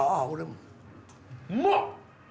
うまっ！